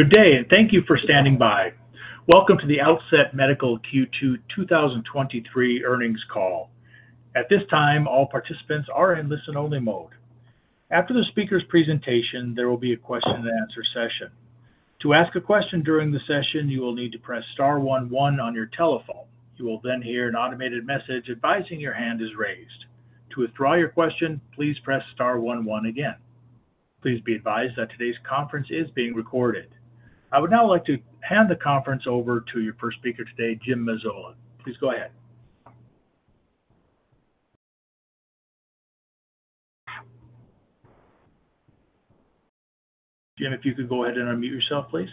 Good day. Thank you for standing by. Welcome to the Outset Medical Q2 2023 Earnings Call. At this time, all participants are in listen-only mode. After the speaker's presentation, there will be a question-and-answer session. To ask a question during the session, you will need to press star one one on your telephone. You will hear an automated message advising your hand is raised. To withdraw your question, please press star one one again. Please be advised that today's conference is being recorded. I would now like to hand the conference over to your first speaker today, Jim Mazzola. Please go ahead. Jim, if you could go ahead and unmute yourself, please.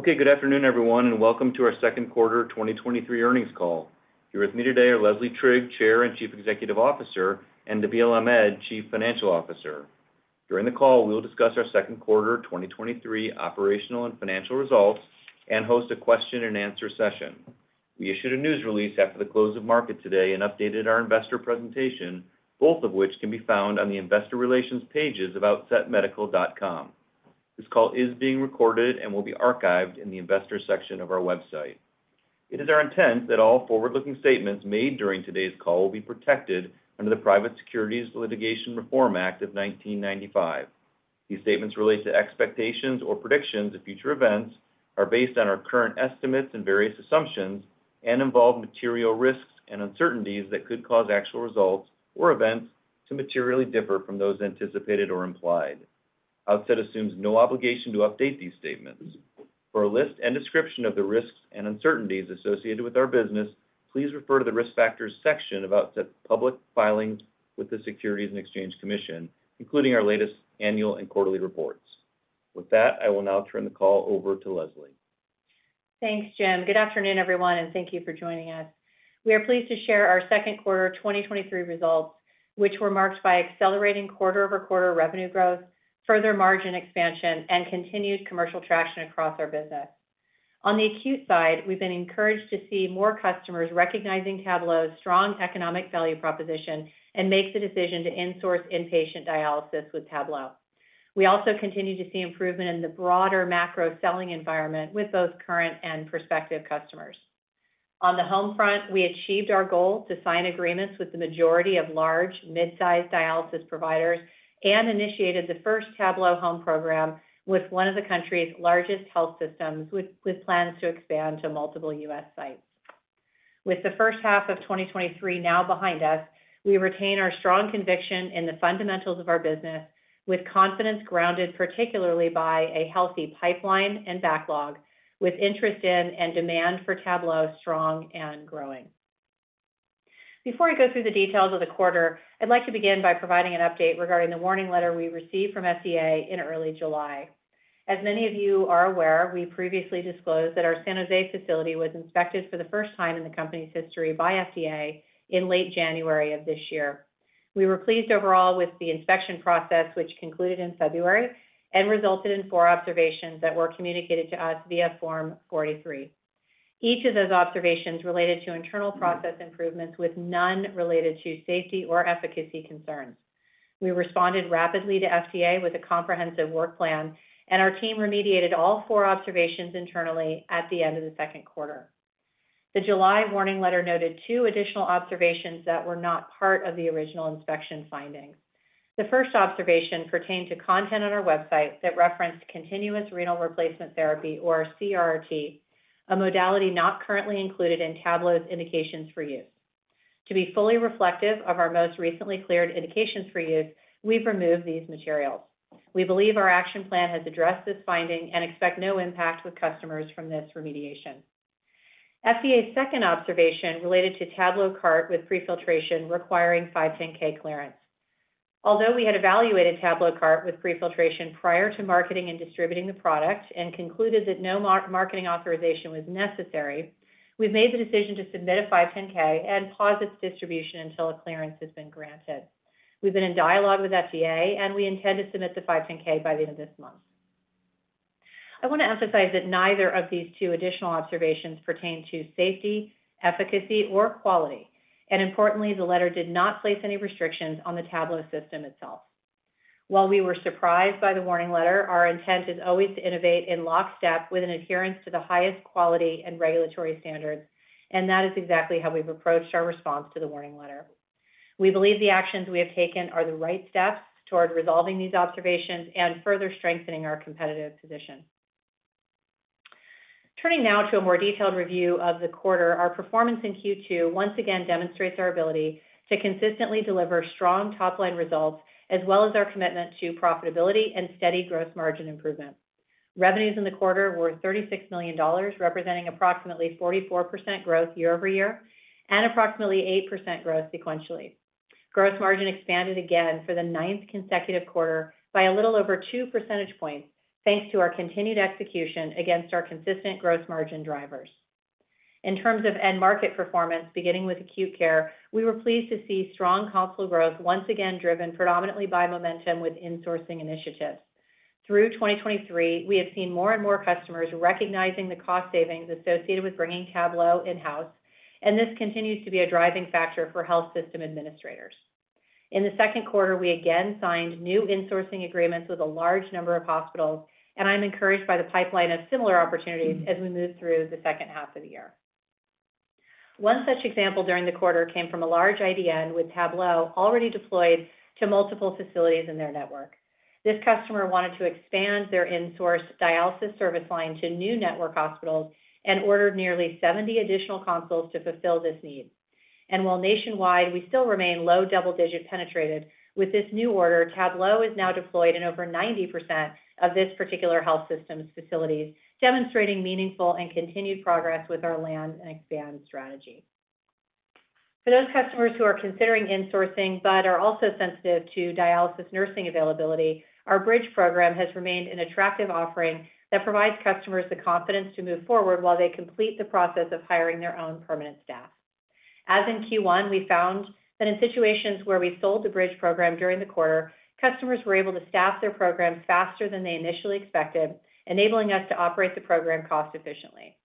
Okay. Good afternoon, everyone. Welcome to our Q2 2023 Earnings Call. Here with me today are Leslie Trigg, Chair and Chief Executive Officer, and Nabeel Ahmed, Chief Financial Officer. During the call, we will discuss our Q2 2023 Operational and Financial Results and host a question-and-answer session. We issued a news release after the close of market today and updated our investor presentation, both of which can be found on the investor relations pages of outsetmedical.com. This call is being recorded and will be archived in the investors section of our website. It is our intent that all forward-looking statements made during today's call will be protected under the Private Securities Litigation Reform Act of 1995. These statements relate to expectations or predictions of future events, are based on our current estimates and various assumptions, and involve material risks and uncertainties that could cause actual results or events to materially differ from those anticipated or implied. Outset assumes no obligation to update these statements. For a list and description of the risks and uncertainties associated with our business, please refer to the Risk Factors section of Outset's public filings with the Securities and Exchange Commission, including our latest annual and quarterly reports. With that, I will now turn the call over to Leslie. Thanks, Jim. Good afternoon, everyone, and thank you for joining us. We are pleased to share our Q2 2023 results, which were marked by accelerating quarter-over-quarter revenue growth, further margin expansion, and continued commercial traction across our business. On the acute side, we've been encouraged to see more customers recognizing Tablo's strong economic value proposition and make the decision to insource inpatient dialysis with Tablo. We also continue to see improvement in the broader macro selling environment with both current and prospective customers. On the home front, we achieved our goal to sign agreements with the majority of large, mid-sized dialysis providers and initiated the first Tablo Home program with one of the country's largest health systems, with plans to expand to multiple US sites. With the first half of 2023 now behind us, we retain our strong conviction in the fundamentals of our business with confidence grounded particularly by a healthy pipeline and backlog, with interest in and demand for Tablo strong and growing. Before I go through the details of the quarter, I'd like to begin by providing an update regarding the warning letter we received from FDA in early July. As many of you are aware, we previously disclosed that our San Jose facility was inspected for the first time in the company's history by FDA in late January of this year. We were pleased overall with the inspection process, which concluded in February and resulted in four observations that were communicated to us via Form 483. Each of those observations related to internal process improvements, with none related to safety or efficacy concerns. We responded rapidly to FDA with a comprehensive work plan, and our team remediated all four observations internally at the end of the Q2. The July warning letter noted two additional observations that were not part of the original inspection findings. The first observation pertained to content on our website that referenced continuous renal replacement therapy, or CRRT, a modality not currently included in Tablo's indications for use. To be fully reflective of our most recently cleared indications for use, we've removed these materials. We believe our action plan has addressed this finding and expect no impact with customers from this remediation. FDA's second observation related to TabloCart with pre-filtration requiring 510(k) clearance. Although we had evaluated TabloCart with pre-filtration prior to marketing and distributing the product and concluded that no marketing authorization was necessary, we've made the decision to submit a 510(k) and pause its distribution until a clearance has been granted. We've been in dialogue with FDA, and we intend to submit the 510(k) by the end of this month. I want to emphasize that neither of these two additional observations pertain to safety, efficacy, or quality, and importantly, the letter did not place any restrictions on the Tablo system itself. While we were surprised by the warning letter, our intent is always to innovate in lockstep with an adherence to the highest quality and regulatory standards, and that is exactly how we've approached our response to the warning letter. We believe the actions we have taken are the right steps toward resolving these observations and further strengthening our competitive position. Turning now to a more detailed review of the quarter. Our performance in Q2 once again demonstrates our ability to consistently deliver strong top-line results, as well as our commitment to profitability and steady gross margin improvement. Revenues in the quarter were $36 million, representing approximately 44% growth year-over-year and approximately 8% growth sequentially. Gross margin expanded again for the ninth consecutive quarter by a little over two percentage points, thanks to our continued execution against our consistent gross margin drivers. In terms of end-market performance, beginning with acute care, we were pleased to see strong console growth once again driven predominantly by momentum with insourcing initiatives. Through 2023, we have seen more and more customers recognizing the cost savings associated with bringing Tablo in-house, and this continues to be a driving factor for health system administrators. In the Q2, we again signed new insourcing agreements with a large number of hospitals, and I'm encouraged by the pipeline of similar opportunities as we move through the second half of the year. One such example during the quarter came from a large IDN with Tablo already deployed to multiple facilities in their network. This customer wanted to expand their insourced dialysis service line to new network hospitals and ordered nearly 70 additional consoles to fulfill this need. While nationwide, we still remain low double-digit penetrated, with this new order, Tablo is now deployed in over 90% of this particular health system's facilities, demonstrating meaningful and continued progress with our land and expand strategy. For those customers who are considering insourcing but are also sensitive to dialysis nursing availability, our Bridge Program has remained an attractive offering that provides customers the confidence to move forward while they complete the process of hiring their own permanent staff. As in Q1, we found that in situations where we sold the Bridge Program during the quarter, customers were able to staff their programs faster than they initially expected, enabling us to operate the program cost efficiently.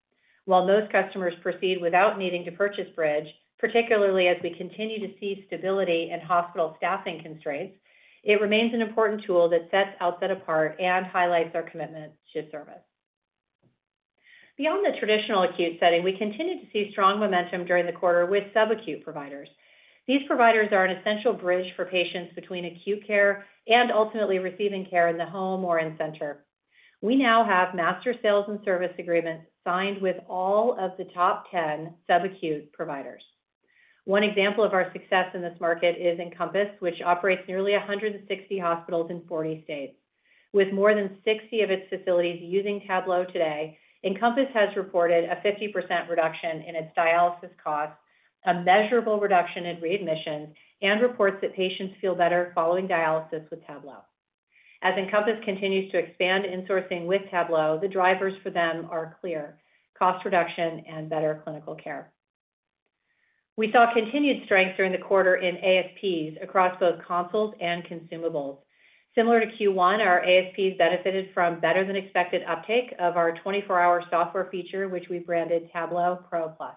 While most customers proceed without needing to purchase Bridge, particularly as we continue to see stability in hospital staffing constraints, it remains an important tool that sets Outset apart and highlights our commitment to service. Beyond the traditional acute setting, we continued to see strong momentum during the quarter with sub-acute providers. These providers are an essential bridge for patients between acute care and ultimately receiving care in the home or in-center. We now have master sales and service agreements signed with all of the top 10 sub-acute providers. One example of our success in this market is Encompass, which operates nearly 160 hospitals in 40 states. With more than 60 of its facilities using Tablo today, Encompass has reported a 50% reduction in its dialysis costs, a measurable reduction in readmissions, and reports that patients feel better following dialysis with Tablo. As Encompass continues to expand insourcing with Tablo, the drivers for them are clear: cost reduction and better clinical care. We saw continued strength during the quarter in ASPs across both consoles and consumables. Similar to Q1, our ASPs benefited from better-than-expected uptake of our 24-hour software feature, which we branded Tablo Pro Plus.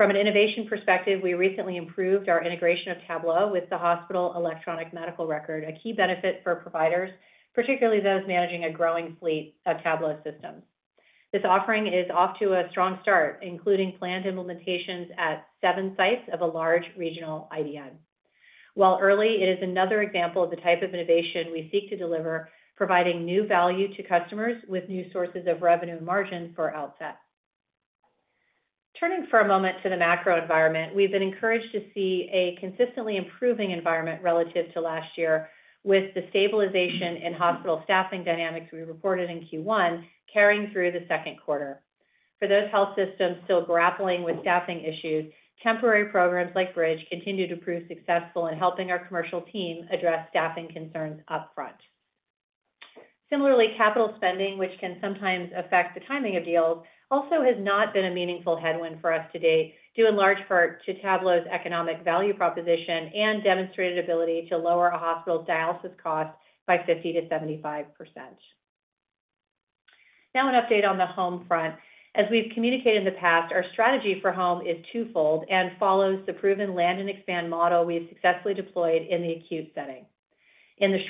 From an innovation perspective, we recently improved our integration of Tablo with the hospital electronic medical record, a key benefit for providers, particularly those managing a growing fleet of Tablo systems. This offering is off to a strong start, including planned implementations at seven sites of a large regional IDN. While early, it is another example of the type of innovation we seek to deliver, providing new value to customers with new sources of revenue and margin for Outset. Turning for a moment to the macro environment, we've been encouraged to see a consistently improving environment relative to last year, with the stabilization in hospital staffing dynamics we reported in Q1 carrying through the Q2. For those health systems still grappling with staffing issues, temporary programs like Bridge continue to prove successful in helping our commercial team address staffing concerns upfront. Similarly, capital spending, which can sometimes affect the timing of deals, also has not been a meaningful headwind for us to date, due in large part to Tablo's economic value proposition and demonstrated ability to lower a hospital's dialysis costs by 50%-75%. Now, an update on the home front. As we've communicated in the past, our strategy for home is twofold and follows the proven land and expand model we have successfully deployed in the acute setting. Over the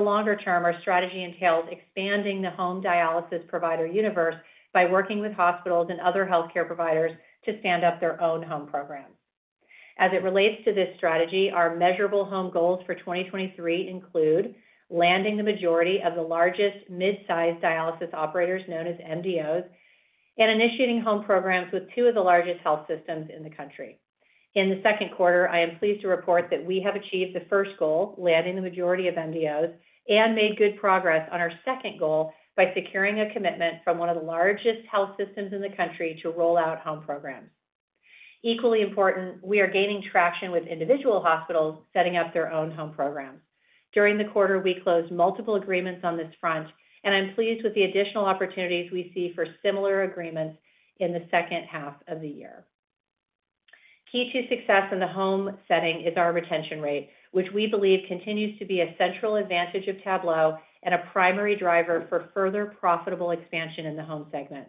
longer term, our strategy entails expanding the home dialysis provider universe by working with hospitals and other healthcare providers to stand up their own home programs. As it relates to this strategy, our measurable home goals for 2023 include landing the majority of the largest mid-sized dialysis operators, known as MDOs, and initiating home programs with two of the largest health systems in the country. In the Q2, I am pleased to report that we have achieved the first goal, landing the majority of MDOs, and made good progress on our second goal by securing a commitment from one of the largest health systems in the country to roll out home programs. Equally important, we are gaining traction with individual hospitals setting up their own home programs. During the quarter, we closed multiple agreements on this front, and I'm pleased with the additional opportunities we see for similar agreements in the second half of the year. Key to success in the home setting is our retention rate, which we believe continues to be a central advantage of Tablo and a primary driver for further profitable expansion in the home segment.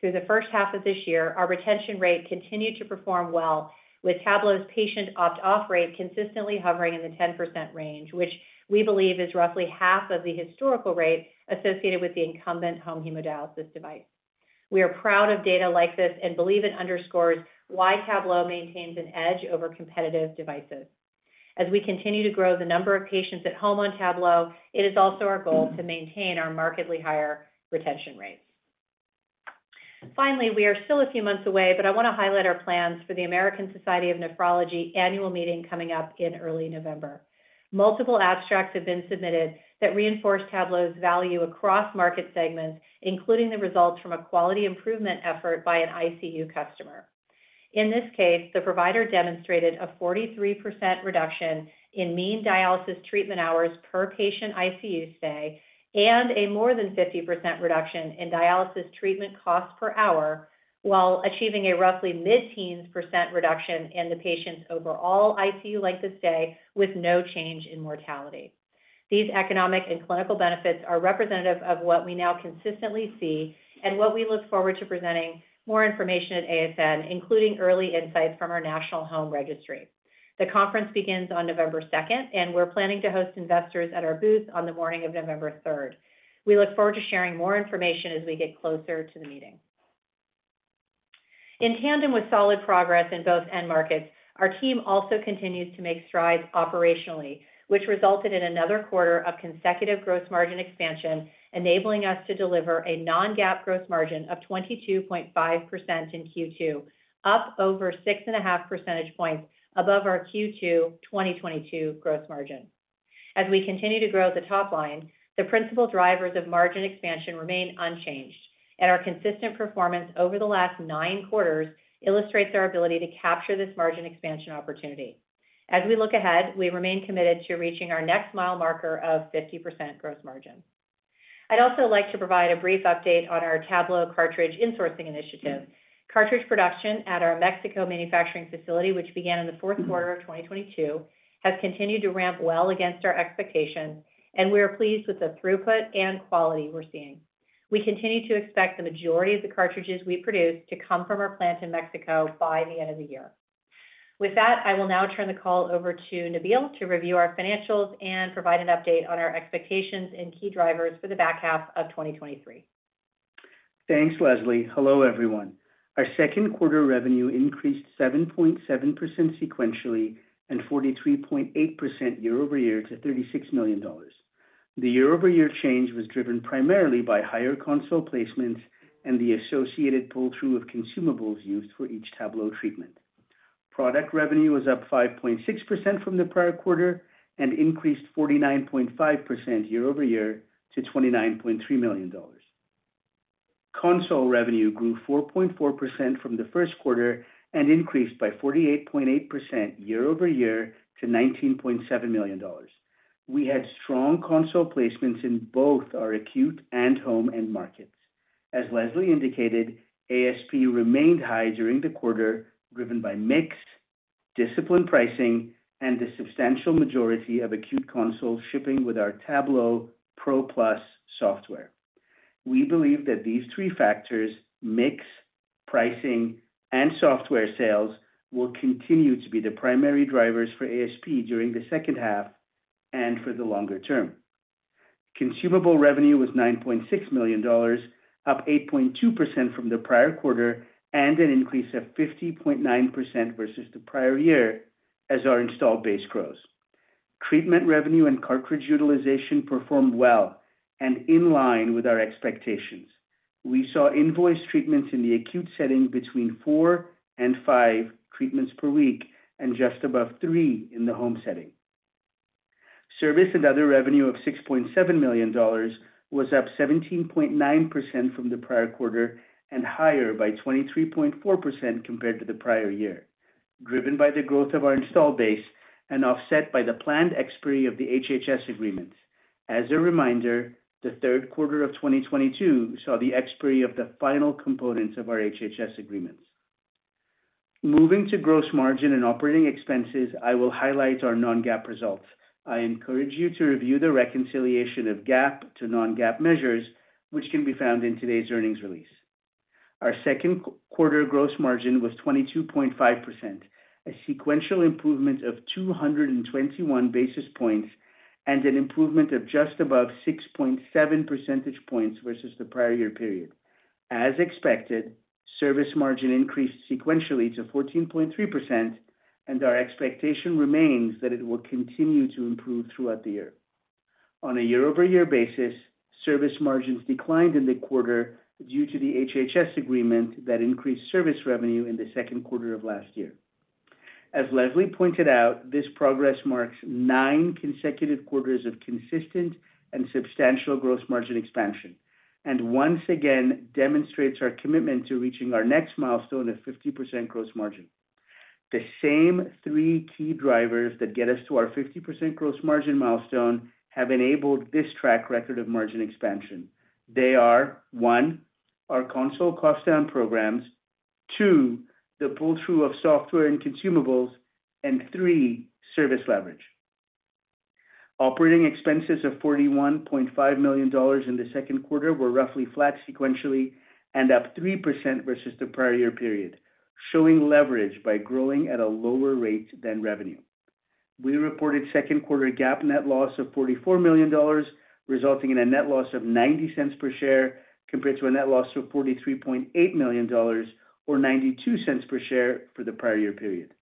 Through the first half of this year, our retention rate continued to perform well, with Tablo's patient opt-out rate consistently hovering in the 10% range, which we believe is roughly half of the historical rate associated with the incumbent home hemodialysis device. We are proud of data like this and believe it underscores why Tablo maintains an edge over competitive devices. As we continue to grow the number of patients at home on Tablo, it is also our goal to maintain our markedly higher retention rates. Finally, we are still a few months away, but I want to highlight our plans for the American Society of Nephrology annual meeting coming up in early November. Multiple abstracts have been submitted that reinforce Tablo's value across market segments, including the results from a quality improvement effort by an ICU customer. In this case, the provider demonstrated a 43% reduction in mean dialysis treatment hours per patient ICU stay, and a more than 50% reduction in dialysis treatment costs per hour, while achieving a roughly mid-teens % reduction in the patient's overall ICU length of stay, with no change in mortality. These economic and clinical benefits are representative of what we now consistently see and what we look forward to presenting more information at ASN, including early insights from our national home registry. The conference begins on November 2nd, and we're planning to host investors at our booth on the morning of November 3rd. We look forward to sharing more information as we get closer to the meeting. In tandem with solid progress in both end markets, our team also continues to make strides operationally, which resulted in another quarter of consecutive gross margin expansion, enabling us to deliver a non-GAAP gross margin of 22.5% in Q2, up over 6.5 percentage points above our Q2 2022 gross margin. As we continue to grow the top line, the principal drivers of margin expansion remain unchanged, and our consistent performance over the last nine quarters illustrates our ability to capture this margin expansion opportunity. As we look ahead, we remain committed to reaching our next mile marker of 50% gross margin. I'd also like to provide a brief update on our Tablo cartridge insourcing initiative. Cartridge production at our Mexico manufacturing facility, which began in the Q4 of 2022, has continued to ramp well against our expectations, and we are pleased with the throughput and quality we're seeing. We continue to expect the majority of the cartridges we produce to come from our plant in Mexico by the end of the year. With that, I will now turn the call over to Nabeel to review our financials and provide an update on our expectations and key drivers for the back half of 2023. Thanks, Leslie. Hello, everyone. Our Q2 revenue increased 7.7% sequentially and 43.8% year-over-year to $36 million. The year-over-year change was driven primarily by higher console placements and the associated pull-through of consumables used for each Tablo treatment. Product revenue was up 5.6% from the prior quarter and increased 49.5% year-over-year to $29.3 million. Console revenue grew 4.4% from the Q1 and increased by 48.8% year-over-year to $19.7 million. We had strong console placements in both our acute and home end markets. As Leslie indicated, ASP remained high during the quarter, driven by mix, disciplined pricing, and the substantial majority of acute consoles shipping with our Tablo Pro Plus software. We believe that these three factors, mix, pricing, and software sales, will continue to be the primary drivers for ASP during the second half and for the longer term. Consumable revenue was $9.6 million, up 8.2% from the prior quarter, and an increase of 50.9% versus the prior year as our installed base grows. Treatment revenue and cartridge utilization performed well and in line with our expectations. We saw invoice treatments in the acute setting between four and five treatments per week, and just above three in the home setting. Service and other revenue of $6.7 million was up 17.9% from the prior quarter and higher by 23.4% compared to the prior year, driven by the growth of our installed base and offset by the planned expiry of the HHS agreements. As a reminder, the Q3 of 2022 saw the expiry of the final components of our HHS agreements. Moving to gross margin and operating expenses, I will highlight our non-GAAP results. I encourage you to review the reconciliation of GAAP to non-GAAP measures, which can be found in today's earnings release. Our Q2 gross margin was 22.5%, a sequential improvement of 221 basis points, and an improvement of just above 6.7 percentage points versus the prior year period. As expected, service margin increased sequentially to 14.3%, and our expectation remains that it will continue to improve throughout the year. On a year-over-year basis, service margins declined in the quarter due to the HHS agreement that increased service revenue in the Q2 of last year. As Leslie pointed out, this progress marks nine consecutive quarters of consistent and substantial gross margin expansion, and once again demonstrates our commitment to reaching our next milestone of 50% gross margin. The same three key drivers that get us to our 50% gross margin milestone have enabled this track record of margin expansion. They are, 1, our console cost down programs, 2, the pull-through of software and consumables, and 3, service leverage. Operating expenses of $41.5 million in the Q2 were roughly flat sequentially and up 3% versus the prior year period, showing leverage by growing at a lower rate than revenue. We reported Q2 GAAP net loss of $44 million, resulting in a net loss of $0.90 per share, compared to a net loss of $43.8 million or $0.92 per share for the prior year period.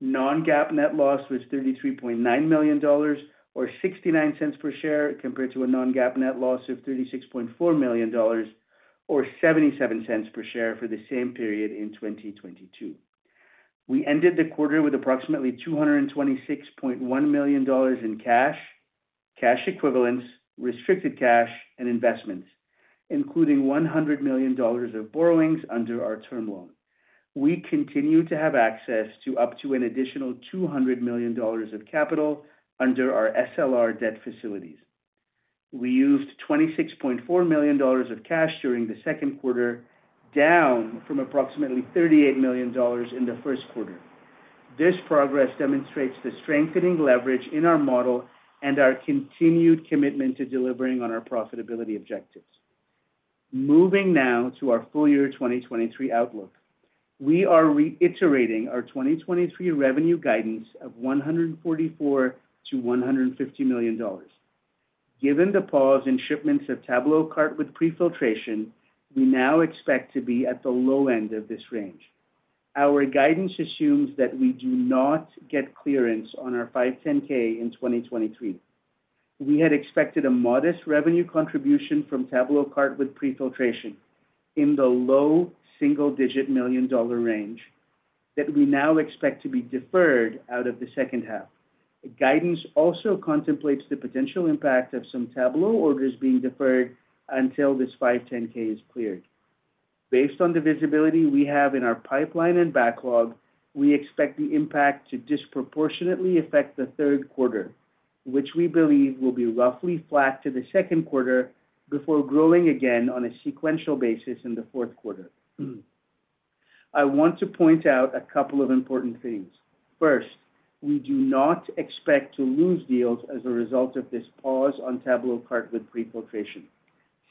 non-GAAP net loss was $33.9 million, or $0.69 per share, compared to a non-GAAP net loss of $36.4 million or $0.77 per share for the same period in 2022. We ended the quarter with approximately $226.1 million in cash equivalents, restricted cash, and investments, including $100 million of borrowings under our term loan. We continue to have access to up to an additional $200 million of capital under our SLR debt facilities. We used $26.4 million of cash during the Q2, down from approximately $38 million in the Q1. This progress demonstrates the strengthening leverage in our model and our continued commitment to delivering on our profitability objectives. Moving now to our full year 2023 outlook. We are reiterating our 2023 revenue guidance of $144 million-$150 million. Given the pause in shipments of TabloCart with pre-filtration, we now expect to be at the low end of this range. Our guidance assumes that we do not get clearance on our 510(k) in 2023. We had expected a modest revenue contribution from TabloCart with pre-filtration in the low single-digit million-dollar range, that we now expect to be deferred out of the second half. The guidance also contemplates the potential impact of some Tablo orders being deferred until this 510(k) is cleared. Based on the visibility we have in our pipeline and backlog, we expect the impact to disproportionately affect the Q3, which we believe will be roughly flat to the Q2 before growing again on a sequential basis in the Q4. I want to point out a couple of important things. First, we do not expect to lose deals as a result of this pause on TabloCart with pre-filtration.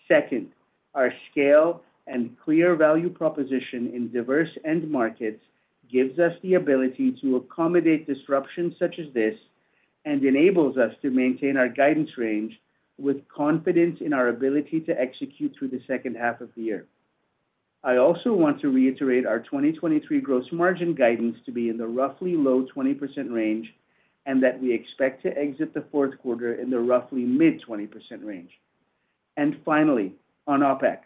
Second, our scale and clear value proposition in diverse end markets gives us the ability to accommodate disruptions such as this and enables us to maintain our guidance range with confidence in our ability to execute through the second half of the year. I also want to reiterate our 2023 gross margin guidance to be in the roughly low 20% range, and that we expect to exit the Q4 in the roughly mid-20% range. Finally, on OpEx,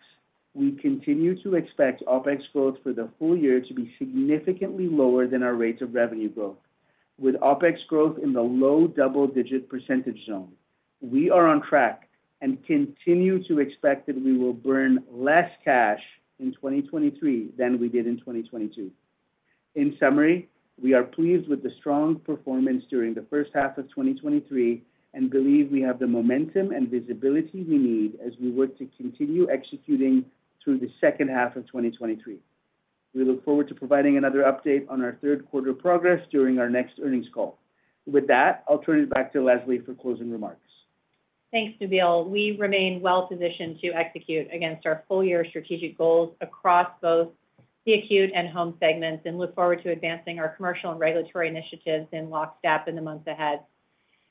we continue to expect OpEx growth for the full year to be significantly lower than our rates of revenue growth, with OpEx growth in the low double-digit percentage zone. We are on track and continue to expect that we will burn less cash in 2023 than we did in 2022. In summary, we are pleased with the strong performance during the first half of 2023 and believe we have the momentum and visibility we need as we work to continue executing through the second half of 2023. We look forward to providing another update on our Q3 progress during our next earnings call. With that, I'll turn it back to Leslie for closing remarks. Thanks, Nabeel. We remain well-positioned to execute against our full-year strategic goals across both the acute and home segments, and look forward to advancing our commercial and regulatory initiatives in lockstep in the months ahead.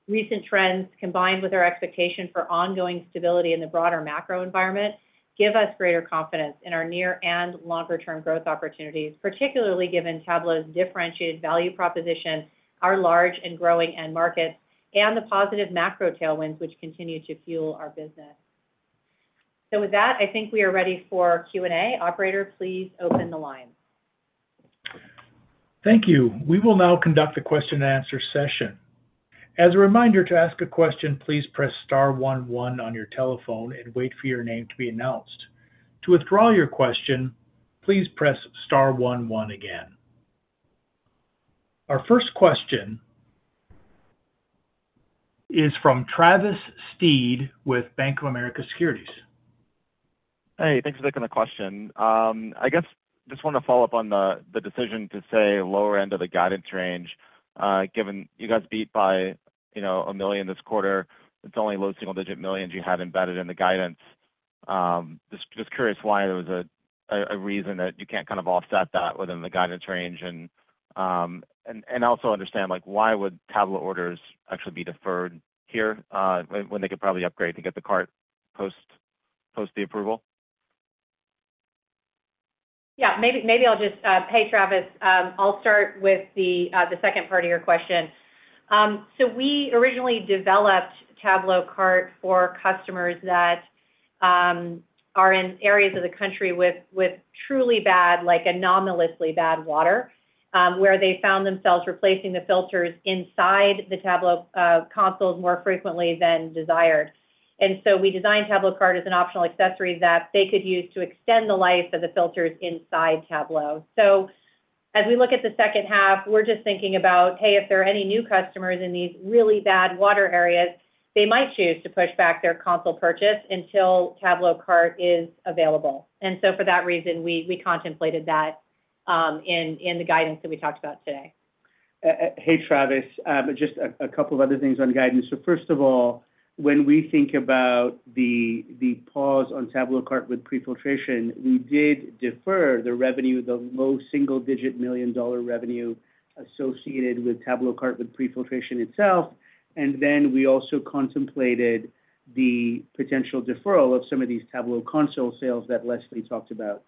Recent trends, combined with our expectation for ongoing stability in the broader macro environment, give us greater confidence in our near and longer-term growth opportunities, particularly given Tablo's differentiated value proposition, our large and growing end markets, and the positive macro tailwinds, which continue to fuel our business. With that, I think we are ready for Q&A. Operator, please open the line. Thank you. We will now conduct a question-and-answer session. As a reminder, to ask a question, please press star one one on your telephone and wait for your name to be announced. To withdraw your question, please press star one one again. Our first question is from Travis Steed with Bank of America Securities. Hey, thanks for taking the question. I guess, just want to follow up on the decision to say lower end of the guidance range, given you guys beat by, you know, $1 million this quarter, it's only low single-digit millions you have embedded in the guidance. Just curious why there was a reason that you can't kind of offset that within the guidance range? I also understand, like, why would Tablo orders actually be deferred here, when they could probably upgrade to get the cart post the approval? Yeah, maybe, maybe I'll just. Hey, Travis. I'll start with the second part of your question. We originally developed TabloCart for customers that are in areas of the country with, with truly bad, like, anomalously bad water, where they found themselves replacing the filters inside the Tablo consoles more frequently than desired. We designed TabloCart as an optional accessory that they could use to extend the life of the filters inside Tablo. As we look at the second half, we're just thinking about, "Hey, if there are any new customers in these really bad water areas, they might choose to push back their console purchase until TabloCart is available." For that reason, we, we contemplated that in, in the guidance that we talked about today. Hey, Travis, just a couple of other things on the guidance. First of all, when we think about the pause on TabloCart with pre-filtration, we did defer the revenue, the low single-digit million-dollar revenue associated with TabloCart with pre-filtration itself, and then we also contemplated the potential deferral of some of these Tablo console sales that Leslie talked about.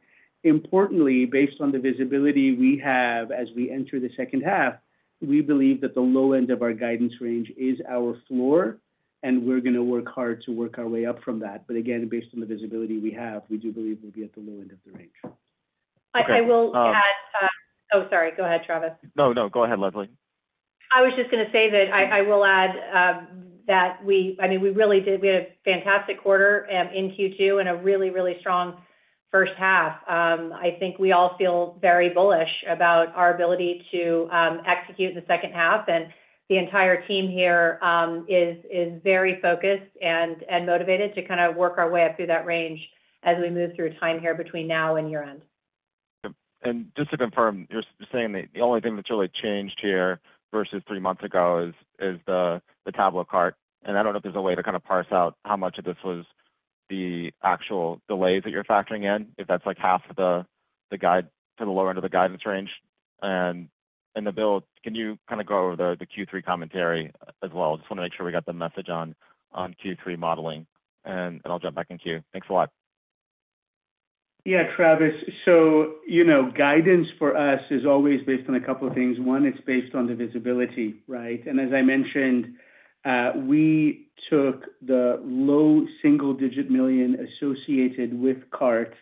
Importantly, based on the visibility we have as we enter the second half, we believe that the low end of our guidance range is our floor, and we're going to work hard to work our way up from that. Again, based on the visibility we have, we do believe we'll be at the low end of the range. I, I will add, oh, sorry, go ahead, Travis. No, no, go ahead, Leslie. I was just going to say that I, I will add, I mean, we really did. We had a fantastic quarter in Q2 and a really, really strong first half. I think we all feel very bullish about our ability to execute in the second half, and the entire team here is very focused and motivated to kind of work our way up through that range as we move through time here between now and year-end. Just to confirm, you're saying that the only thing that's really changed here versus three months ago is the TabloCart. I don't know if there's a way to kind of parse out how much of this was the actual delays that you're factoring in, if that's like half of the guide to the lower end of the guidance range. Nabeel, can you kind of go over the Q3 commentary as well? I just want to make sure we got the message on Q3 modeling, and then I'll jump back in queue. Thanks a lot. Yeah, Travis. You know, guidance for us is always based on a couple of things. One, it's based on the visibility, right? As I mentioned, we took the low single digit million associated with cart and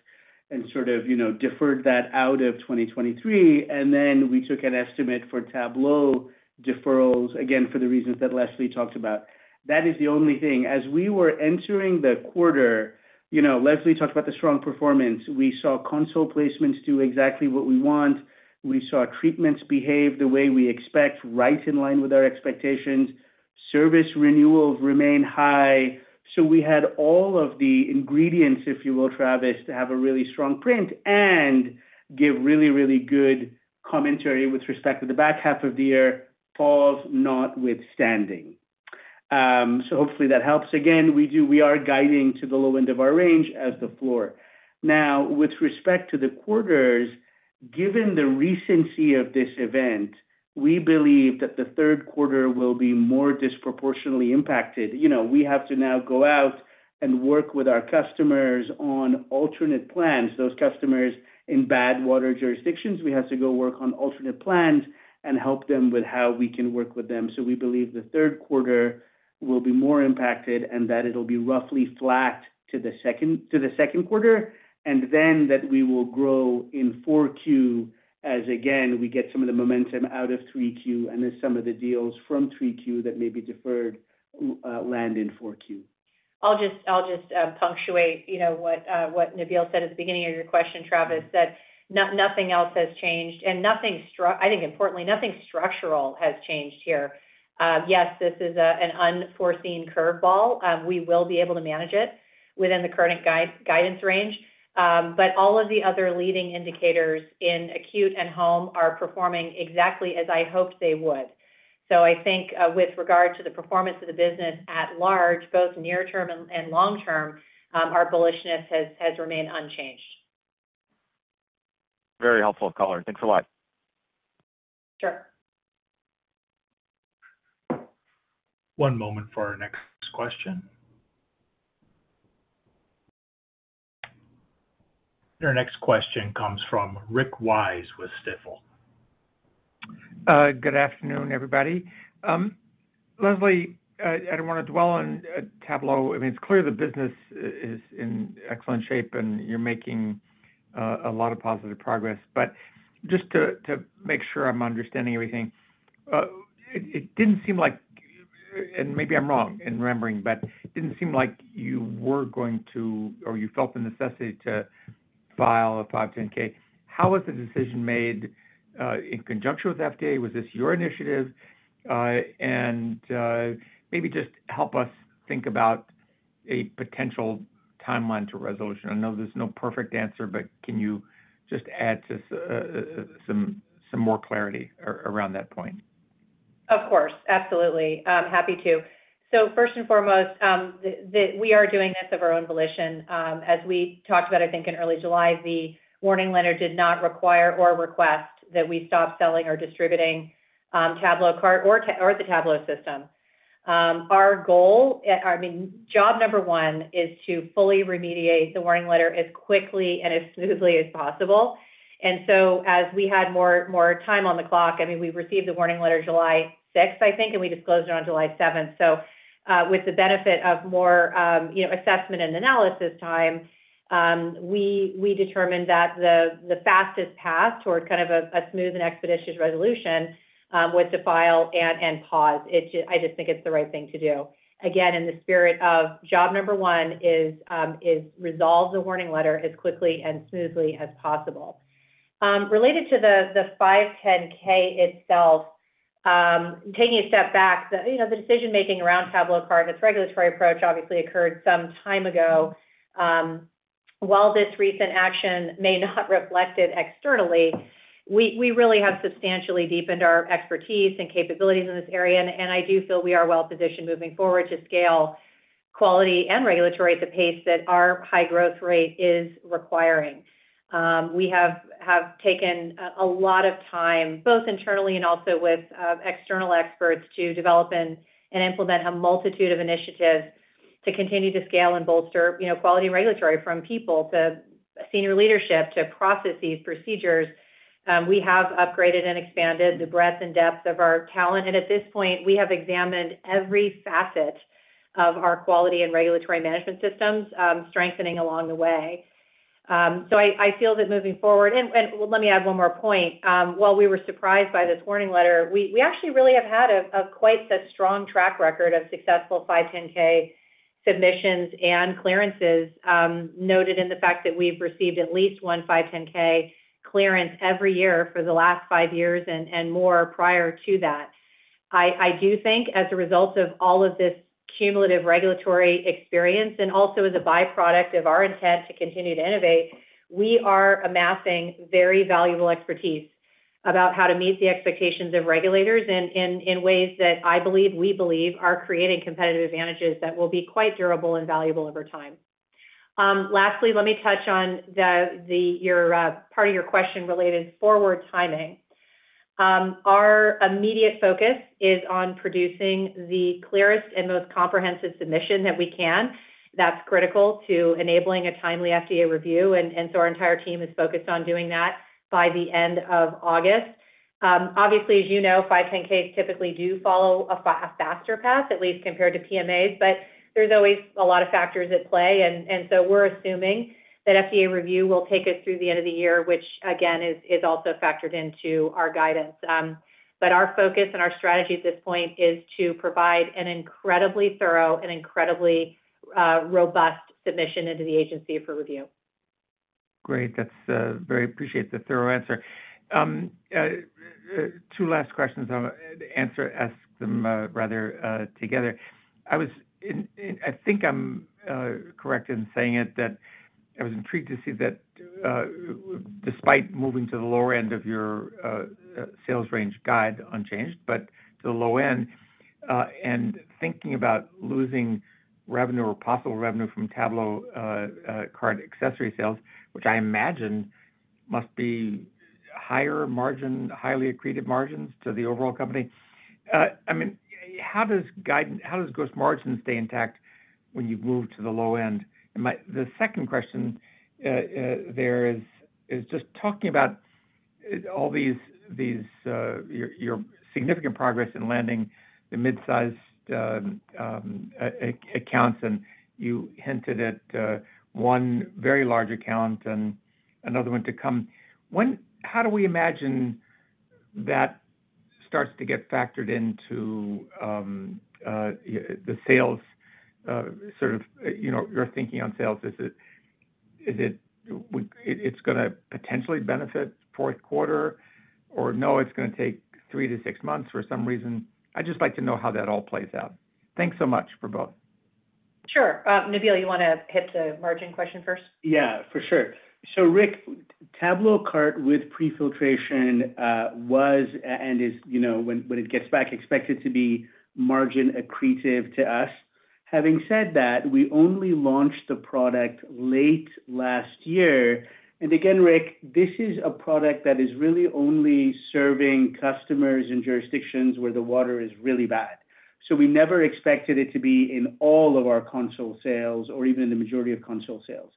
sort of, you know, deferred that out of 2023, and then we took an estimate for Tablo deferrals, again, for the reasons that Leslie talked about. That is the only thing. As we were entering the quarter, you know, Leslie talked about the strong performance. We saw console placements do exactly what we want. We saw treatments behave the way we expect, right in line with our expectations. Service renewals remain high. We had all of the ingredients, if you will, Travis, to have a really strong print and give really, really good commentary with respect to the back half of the year, pause notwithstanding. So hopefully that helps. Again, we are guiding to the low end of our range as the floor. Now, with respect to the quarters, given the recency of this event, we believe that the Q3 will be more disproportionately impacted. You know, we have to now go out and work with our customers on alternate plans. Those customers in bad water jurisdictions, we have to go work on alternate plans and help them with how we can work with them. So we believe the Q3 will be more impacted and that it'll be roughly flat to the Q2, and then that we will grow in 4Q as again, we get some of the momentum out of 3Q, and then some of the deals from 3Q that may be deferred, land in 4Q. I'll just, I'll just punctuate, you know, what Nabeel said at the beginning of your question, Travis, that nothing else has changed and nothing I think importantly, nothing structural has changed here. Yes, this is an unforeseen curve ball. We will be able to manage it within the current guidance range, all of the other leading indicators in acute and home are performing exactly as I hoped they would. I think with regard to the performance of the business at large, both near term and long term, our bullishness has remained unchanged. Very helpful color. Thanks a lot. Sure. One moment for our next question. Your next question comes from Rick Wise with Stifel. Good afternoon, everybody. Leslie, I don't want to dwell on Tablo. I mean, it's clear the business is in excellent shape and you're making a lot of positive progress. Just to make sure I'm understanding everything, it didn't seem like, and maybe I'm wrong in remembering, but it didn't seem like you were going to, or you felt the necessity to file a 510(k). How was the decision made in conjunction with FDA? Was this your initiative? Maybe just help us think about a potential timeline to resolution. I know there's no perfect answer, but can you just add just some more clarity around that point? Of course. Absolutely. I'm happy to. First and foremost, we are doing this of our own volition. As we talked about, I think in early July, the warning letter did not require or request that we stop selling or distributing, TabloCart or the Tablo system. Our goal, I mean, job number one is to fully remediate the warning letter as quickly and as smoothly as possible. As we had more, more time on the clock, I mean, we received the warning letter July 6, I think, and we disclosed it on July 7. With the benefit of more, you know, assessment and analysis time, we determined that the fastest path toward kind of a smooth and expeditious resolution was to file and pause. I just think it's the right thing to do. Again, in the spirit of job number one is, is resolve the warning letter as quickly and smoothly as possible. Related to the 510(k) itself, taking a step back, you know, the decision-making around TabloCart and its regulatory approach obviously occurred some time ago. While this recent action may not reflect it externally, we really have substantially deepened our expertise and capabilities in this area, and I do feel we are well positioned moving forward to scale quality and regulatory at the pace that our high growth rate is requiring. We have, have taken a lot of time, both internally and also with external experts, to develop and implement a multitude of initiatives to continue to scale and bolster, you know, quality and regulatory from people to senior leadership, to processes, procedures. We have upgraded and expanded the breadth and depth of our talent, and at this point, we have examined every facet of our quality and regulatory management systems, strengthening along the way. I, I feel that moving forward. Let me add one more point. While we were surprised by this warning letter, we, we actually really have had a, quite the strong track record of successful 510(k) submissions and clearances, noted in the fact that we've received at least one 510(k) clearance every year for the last five years, and more prior to that. I do think as a result of all of this cumulative regulatory experience, and also as a byproduct of our intent to continue to innovate, we are amassing very valuable expertise about how to meet the expectations of regulators in ways that I believe, we believe are creating competitive advantages that will be quite durable and valuable over time. Lastly, let me touch on your part of your question related forward timing. Our immediate focus is on producing the clearest and most comprehensive submission that we can. That's critical to enabling a timely FDA review, and so our entire team is focused on doing that by the end of August. Obviously, as you know, 510(k)s typically do follow a faster path, at least compared to PMAs, but there's always a lot of factors at play, and so we're assuming that FDA review will take us through the end of the year, which again, is also factored into our guidance. Our focus and our strategy at this point is to provide an incredibly thorough and incredibly robust submission into the agency for review. Great, that's very appreciate the thorough answer. Two last questions. Ask them rather together. I was, and I think I'm correct in saying it, that I was intrigued to see that despite moving to the lower end of your sales range guide unchanged, but to the low end, and thinking about losing revenue or possible revenue from TabloCart accessory sales, which I imagine must be higher margin, highly accretive margins to the overall company. I mean, how does gross margin stay intact when you move to the low end? My, the second question, there is, is just talking about all these, these, your, your significant progress in landing the mid-sized accounts, and you hinted at one very large account and another one to come. How do we imagine that starts to get factored into the sales, sort of, you know, your thinking on sales? Is it, is it, it's gonna potentially benefit Q4, or no, it's gonna take three-six months for some reason? I'd just like to know how that all plays out. Thanks so much for both. Sure. Nabeel, you wanna hit the margin question first? Yeah, for sure. Rick, TabloCart with pre-filtration was and is, you know, when it gets back, expected to be margin accretive to us. Having said that, we only launched the product late last year. Again, Rick, this is a product that is really only serving customers in jurisdictions where the water is really bad. We never expected it to be in all of our console sales or even in the majority of console sales.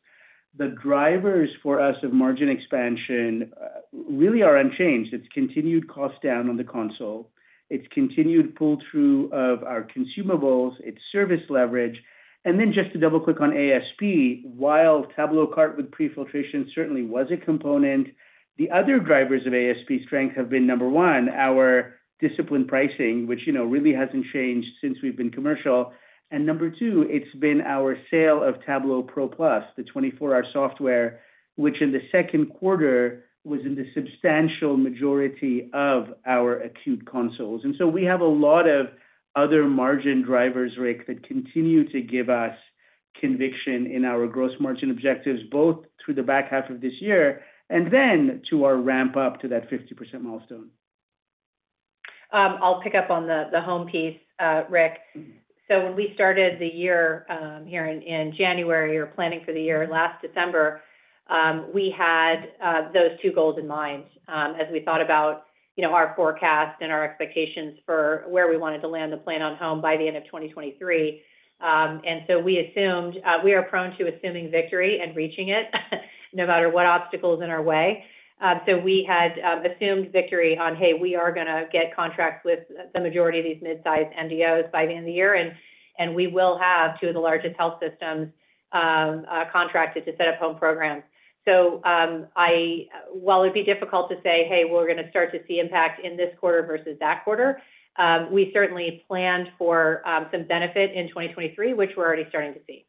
The drivers for us of margin expansion really are unchanged. It's continued cost down on the console, it's continued pull-through of our consumables, it's service leverage. Then just to double-click on ASP, while TabloCart with pre-filtration certainly was a component, the other drivers of ASP strength have been, number one, our disciplined pricing, which, you know, really hasn't changed since we've been commercial. Number two, it's been our sale of Tablo Pro Plus, the 24-hour software, which in the Q2 was in the substantial majority of our acute consoles. So we have a lot of other margin drivers, Rick, that continue to give us conviction in our gross margin objectives, both through the back half of this year and then to our ramp up to that 50% milestone. I'll pick up on the, the home piece, Rick. When we started the year, here in January, or planning for the year last December, we had those two goals in mind, as we thought about, you know, our forecast and our expectations for where we wanted to land the plan on home by the end of 2023. We assumed, we are prone to assuming victory and reaching it no matter what obstacles in our way. We had assumed victory on, hey, we are gonna get contracts with the majority of these mid-sized MDOs by the end of the year, and, and we will have two of the largest health systems contracted to set up home programs. While it'd be difficult to say, "Hey, we're gonna start to see impact in this quarter versus that quarter," we certainly planned for some benefit in 2023, which we're already starting to see.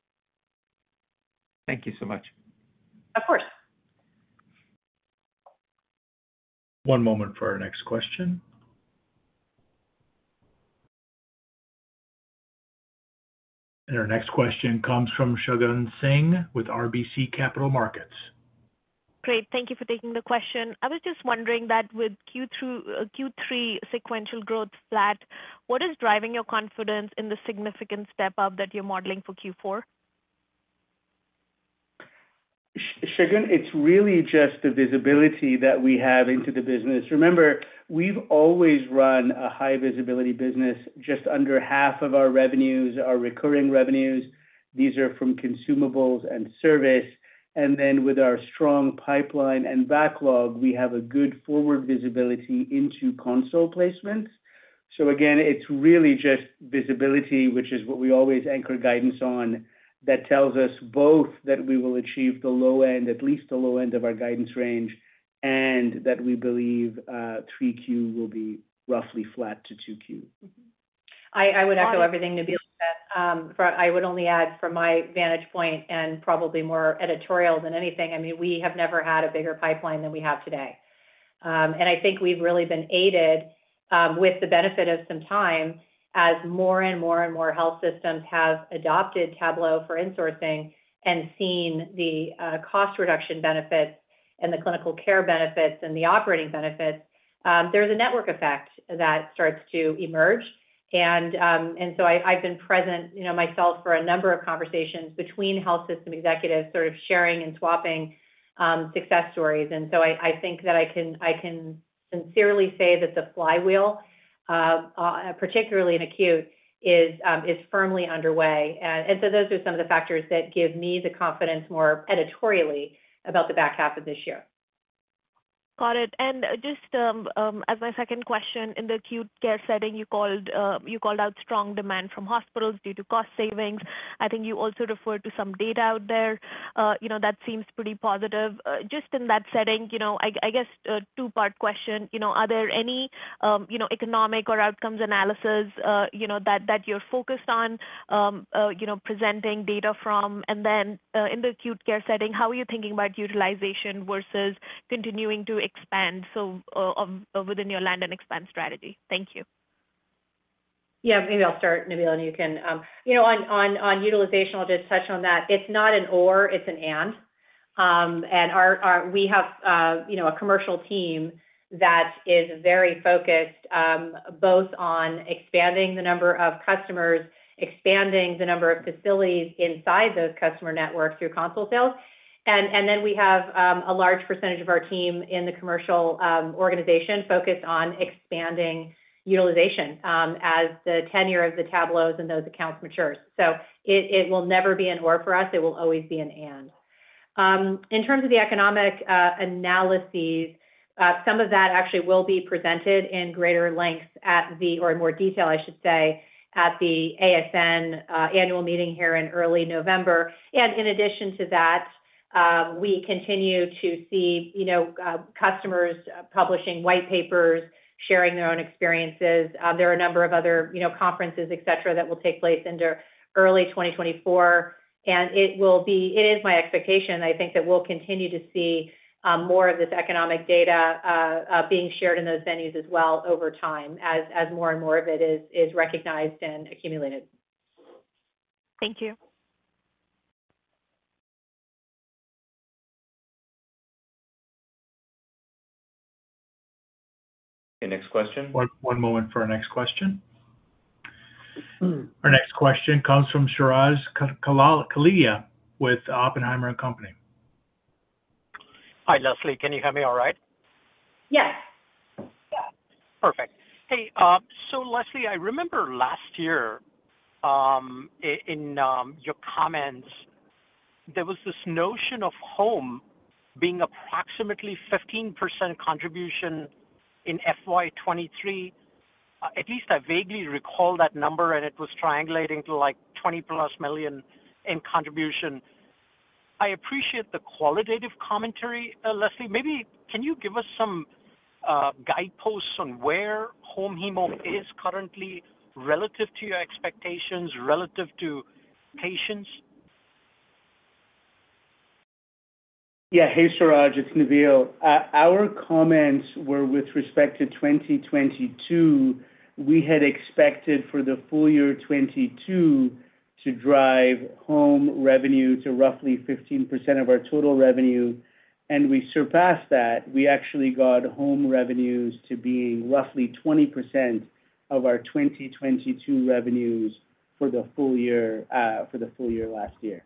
Thank you so much. Of course. One moment for our next question. Our next question comes from Shagun Singh with RBC Capital Markets. Great, thank you for taking the question. I was just wondering that with Q2, Q3 sequential growth flat, what is driving your confidence in the significant step up that you're modeling for Q4? Shagun, it's really just the visibility that we have into the business. Remember, we've always run a high visibility business. Just under half of our revenues are recurring revenues. These are from consumables and service. Then with our strong pipeline and backlog, we have a good forward visibility into console placements. Again, it's really just visibility, which is what we always anchor guidance on, that tells us both that we will achieve the low end, at least the low end of our guidance range, and that we believe, 3Q will be roughly flat to 2Q. Mm-hmm. I, I would echo everything Nabeel said. I would only add from my vantage point, and probably more editorial than anything, I mean, we have never had a bigger pipeline than we have today. I think we've really been aided with the benefit of some time as more and more and more health systems have adopted Tablo for insourcing and seen the cost reduction benefits and the clinical care benefits and the operating benefits, there's a network effect that starts to emerge. So I, I've been present, you know, myself for a number of conversations between health system executives sort of sharing and swapping success stories. So I, I think that I can, I can sincerely say that the flywheel particularly in acute, is firmly underway. Those are some of the factors that give me the confidence, more editorially, about the back half of this year. Got it. Just, as my second question, in the acute care setting, you called out strong demand from hospitals due to cost savings. I think you also referred to some data out there, you know, that seems pretty positive. Just in that setting, you know, I, I guess, a two-part question. You know, are there any, economic or outcomes analysis, that, that you're focused on, presenting data from? In the acute care setting, how are you thinking about utilization versus continuing to expand, within your land and expand strategy? Thank you. Yeah, maybe I'll start, Nabeel, and you can. you know, on utilization, I'll just touch on that. It's not an or, it's an and. Our we have, you know, a commercial team that is very focused, both on expanding the number of customers, expanding the number of facilities inside those customer networks through console sales. Then we have a large percentage of our team in the commercial organization focused on expanding utilization as the tenure of the Tablos and those accounts matures. It will never be an or for us, it will always be an and. In terms of the economic analyses, some of that actually will be presented in greater length at the, or in more detail, I should say, at the ASN annual meeting here in early November. In addition to that, we continue to see, you know, customers publishing white papers, sharing their own experiences. There are a number of other, you know, conferences, et cetera, that will take place into early 2024. It will be-- it is my expectation, I think, that we'll continue to see, more of this economic data, being shared in those venues as well over time, as, as more and more of it is, is recognized and accumulated. Thank you. Next question. One moment for our next question. Our next question comes from Suraj Kalia with Oppenheimer and Company. Hi, Leslie, can you hear me all right? Yes. Yeah. Perfect. Hey, Leslie, I remember last year, in your comments, there was this notion of home being approximately 15% contribution in FY 2023. At least I vaguely recall that number, it was triangulating to, like, $20+ million in contribution. I appreciate the qualitative commentary, Leslie. Maybe can you give us some guideposts on where home hemo is currently relative to your expectations, relative to patients? Yeah. Hey, Suraj, it's Nabeel. Our comments were with respect to 2022, we had expected for the full year 2022 to drive home revenue to roughly 15% of our total revenue, and we surpassed that. We actually got home revenues to being roughly 20% of our 2022 revenues for the full year, for the full year last year.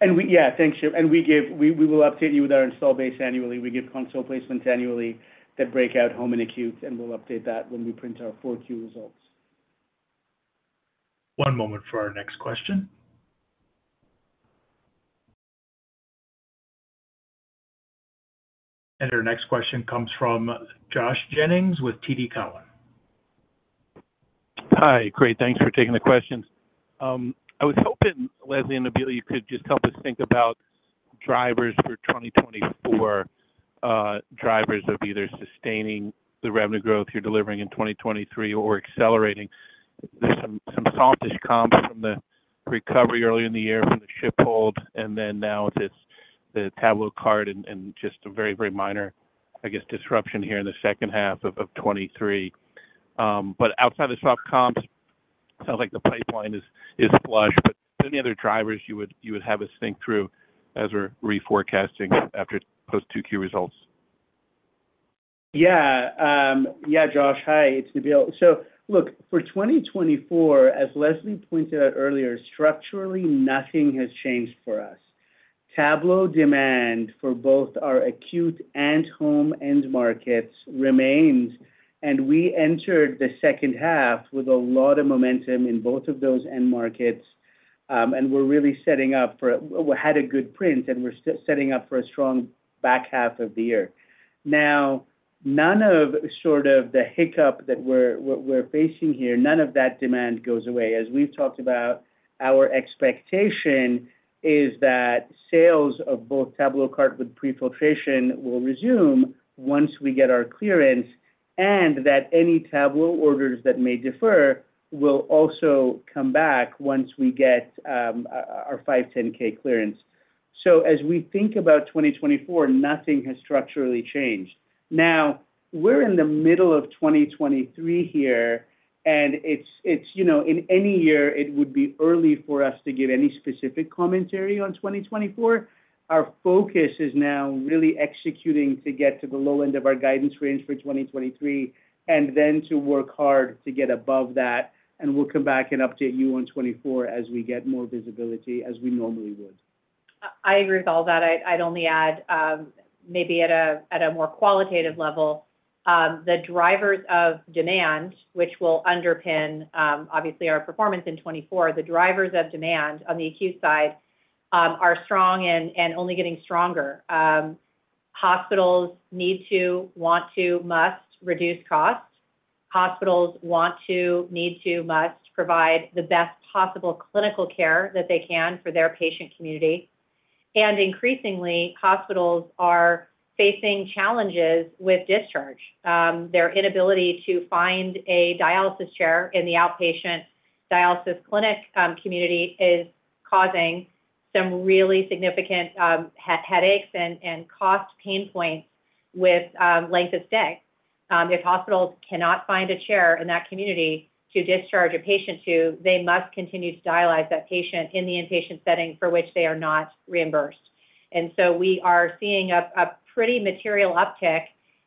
We need console placements annually. Yeah, thanks, Suraj. We will update you with our install base annually. We give console placements annually that break out home and acute, and we'll update that when we print our 4Q results. One moment for our next question. Our next question comes from Josh Jennings with TD Cowen. Hi. Great, thanks for taking the questions. I was hoping, Leslie and Nabeel, you could just help us think about drivers for 2024, drivers of either sustaining the revenue growth you're delivering in 2023 or accelerating. There's some, some softish comps from the recovery earlier in the year from the shipment hold, and then now it's the TabloCart and, and just a very, very minor, I guess, disruption here in the second half of 23. But outside the soft comps, sounds like the pipeline is, is flush, but any other drivers you would, you would have us think through as we're reforecasting after those 2Q results? Yeah. Yeah, Josh, hi, it's Nabeel. Look, for 2024, as Leslie pointed out earlier, structurally nothing has changed for us. Tablo demand for both our acute and home end markets remains, and we entered the second half with a lot of momentum in both of those end markets, and we're really setting up for we had a good print, and we're setting up for a strong back half of the year. None of sort of the hiccup that we're, we're, we're facing here, none of that demand goes away. As we've talked about, our expectation is that sales of both TabloCart with pre-filtration will resume once we get our clearance, and that any Tablo orders that may defer will also come back once we get our 510(k) clearance. As we think about 2024, nothing has structurally changed. Now, we're in the middle of 2023 here, and you know, in any year, it would be early for us to give any specific commentary on 2024. Our focus is now really executing to get to the low end of our guidance range for 2023, and then to work hard to get above that, and we'll come back and update you on 2024 as we get more visibility, as we normally would. I, I agree with all that. I'd, I'd only add, maybe at a, at a more qualitative level, the drivers of demand, which will underpin, obviously our performance in 2024, the drivers of demand on the acute side, are strong and, and only getting stronger. Hospitals need to, want to, must reduce costs. Hospitals want to, need to, must provide the best possible clinical care that they can for their patient community. Increasingly, hospitals are facing challenges with discharge. Their inability to find a dialysis chair in the outpatient dialysis clinic, community is causing some really significant, headaches and, and cost pain points with, length of stay. If hospitals cannot find a chair in that community to discharge a patient to, they must continue to dialyze that patient in the inpatient setting for which they are not reimbursed. We are seeing a, a pretty material uptick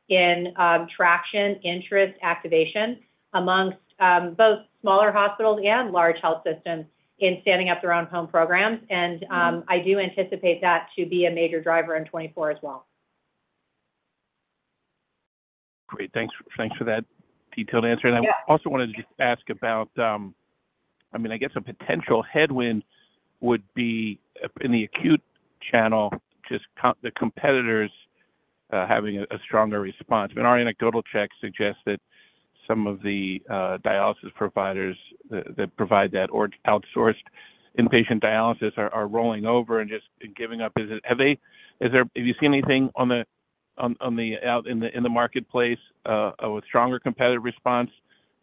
in traction, interest, activation amongst both smaller hospitals and large health systems in standing up their own home programs. I do anticipate that to be a major driver in 2024 as well. Great. Thanks, thanks for that detailed answer. Yeah. I also wanted to just ask about, I mean, I guess a potential headwind would be in the acute channel, just the competitors having a stronger response. I mean, our anecdotal checks suggest that some of the dialysis providers that provide that, or outsourced inpatient dialysis are rolling over and just giving up. Have you seen anything in the marketplace with stronger competitive response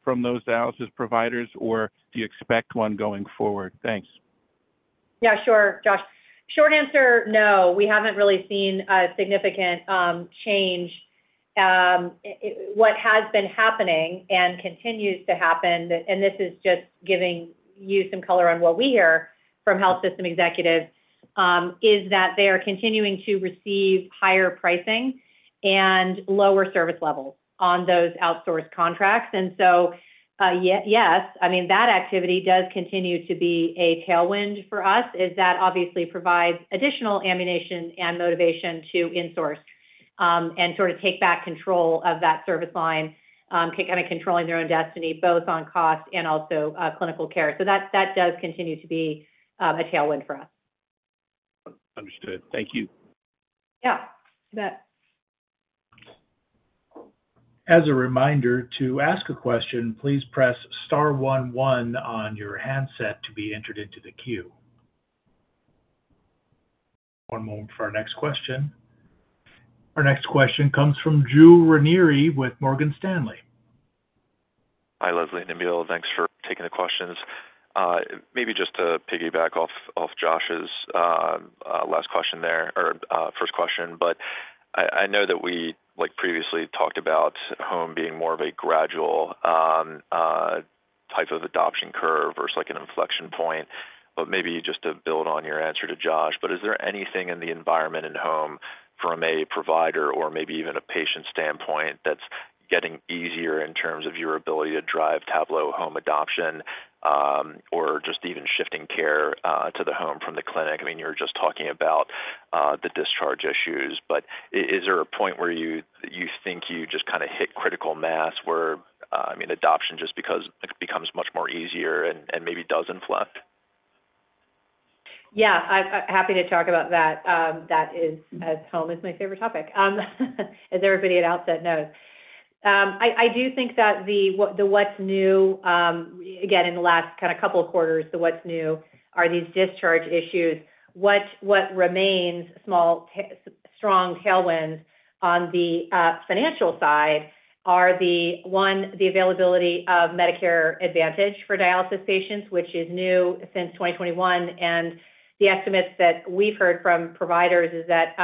from those dialysis providers, or do you expect one going forward? Thanks. Yeah, sure, Josh. Short answer, no, we haven't really seen a significant change. What has been happening and continues to happen, and this is just giving you some color on what we hear from health system executives, is that they are continuing to receive higher pricing and lower service levels on those outsourced contracts. So, yes, I mean, that activity does continue to be a tailwind for us, is that obviously provides additional ammunition and motivation to insource, and sort of take back control of that service line, kind of controlling their own destiny, both on cost and also, clinical care. That, that does continue to be a tailwind for us. Understood. Thank you. Yeah. You bet. As a reminder, to ask a question, please press star one one on your handset to be entered into the queue. One moment for our next question. Our next question comes from Drew Ranieri with Morgan Stanley. Hi, Leslie and Nabeel. Thanks for taking the questions. Maybe just to piggyback off Josh's last question there, or, first question. I know that we, like, previously talked about home being more of a gradual, type of adoption curve versus, like, an inflection point. Maybe just to build on your answer to Josh. Is there anything in the environment and home from a provider or maybe even a patient standpoint, that's getting easier in terms of your ability to drive Tablo Home adoption, or just even shifting care, to the home from the clinic? I mean, you were just talking about the discharge issues. Is there a point where you, you think you just kind of hit critical mass, where, I mean, adoption just becomes much more easier and, and maybe does inflect? Yeah, I'm happy to talk about that. That is, as home is my favorite topic, as everybody at Outset knows. I, I do think that the what, the what's new, again, in the last kind of couple of quarters, the what's new are these discharge issues. What, what remains small ta- strong tailwinds on the financial side are the, one, the availability of Medicare Advantage for dialysis patients, which is new since 2021. The estimates that we've heard from providers is that,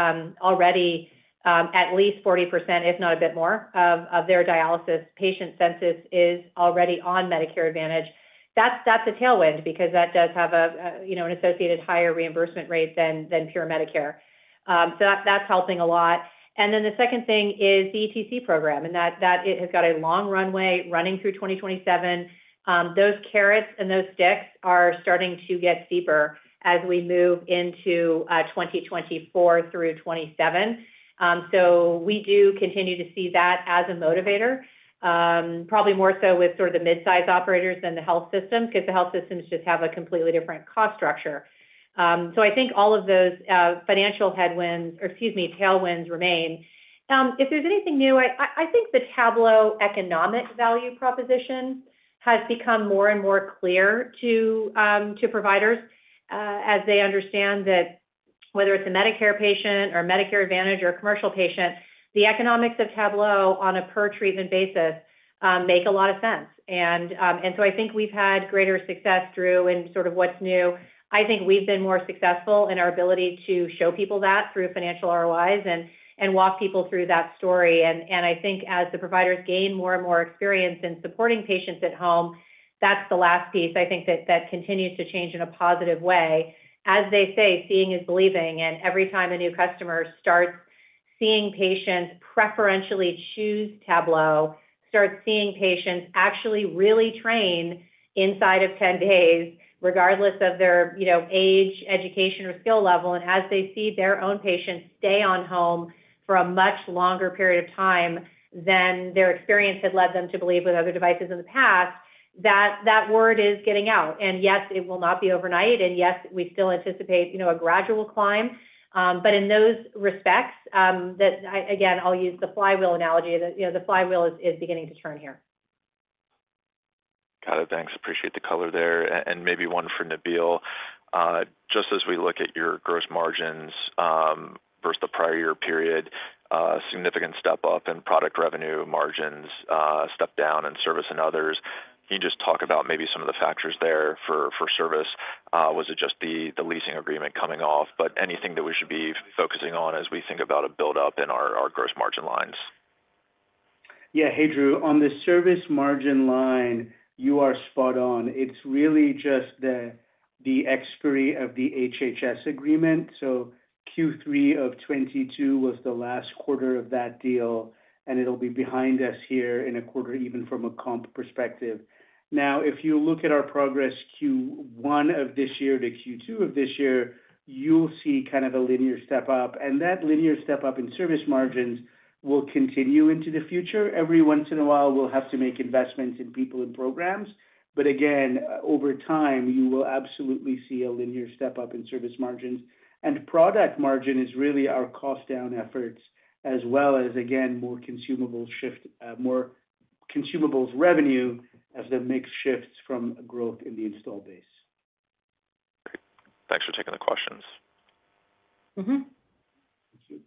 already- at least 40%, if not a bit more, of, of their dialysis patient census is already on Medicare Advantage. That's, that's a tailwind because that does have a, a, you know, an associated higher reimbursement rate than, than pure Medicare. That, that's helping a lot. Then the second thing is the ETC program, and that, that it has got a long runway running through 2027. Those carrots and those sticks are starting to get deeper as we move into 2024 through 2027. We do continue to see that as a motivator, probably more so with sort of the mid-sized operators than the health systems, because the health systems just have a completely different cost structure. I think all of those financial headwinds, or excuse me, tailwinds remain. If there's anything new, I, I think the Tablo economic value proposition has become more and more clear to providers, as they understand that whether it's a Medicare patient or a Medicare Advantage or a commercial patient, the economics of Tablo on a per-treatment basis, make a lot of sense. I think we've had greater success, Drew, in sort of what's new. I think we've been more successful in our ability to show people that through financial ROIs and walk people through that story. I think as the providers gain more and more experience in supporting patients at home, that's the last piece. I think that continues to change in a positive way. As they say, seeing is believing, and every time a new customer starts seeing patients preferentially choose Tablo, starts seeing patients actually really train inside of 10 days, regardless of their, you know, age, education, or skill level. As they see their own patients stay on home for a much longer period of time than their experience had led them to believe with other devices in the past, that word is getting out. Yes, it will not be overnight, and yes, we still anticipate, you know, a gradual climb. In those respects, again, I'll use the flywheel analogy, the, you know, the flywheel is, is beginning to turn here. Got it. Thanks. Appreciate the color there. Maybe one for Nabeel. Just as we look at your gross margins, versus the prior year period, significant step up in product revenue margins, step down in service and others. Can you just talk about maybe some of the factors there for, for service? Was it just the, the leasing agreement coming off, but anything that we should be focusing on as we think about a buildup in our, our gross margin lines? Hey, Drew. On the service margin line, you are spot on. It's really just the expiry of the HHS agreement. Q3 of 2022 was the last quarter of that deal, and it'll be behind us here in a quarter, even from a comp perspective. If you look at our progress Q1 of this year to Q2 of this year, you'll see kind of a linear step up, and that linear step up in service margins will continue into the future. Every once in a while, we'll have to make investments in people and programs. Again, over time, you will absolutely see a linear step up in service margins. Product margin is really our cost down efforts, as well as, again, more consumables shift, more consumables revenue as the mix shifts from growth in the install base. Great. Thanks for taking the questions. Mm-hmm. Thank you.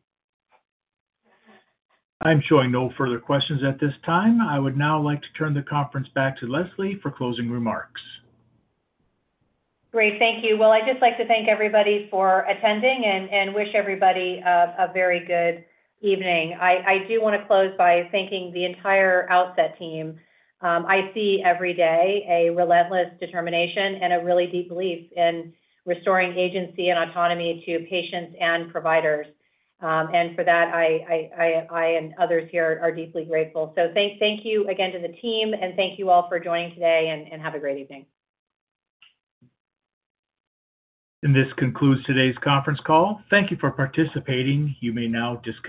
I'm showing no further questions at this time. I would now like to turn the conference back to Leslie for closing remarks. Great. Thank you. Well, I'd just like to thank everybody for attending and wish everybody a very good evening. I do want to close by thanking the entire Outset team. I see every day a relentless determination and a really deep belief in restoring agency and autonomy to patients and providers. For that, I and others here are deeply grateful. Thank, thank you again to the team, and thank you all for joining today, and have a great evening. This concludes today's conference call. Thank you for participating. You may now disconnect.